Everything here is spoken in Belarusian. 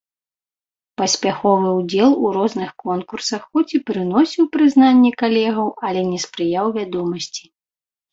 Паспяховы ўдзел у розных конкурсах хоць і прыносіў прызнанне калегаў, але не спрыяў вядомасці.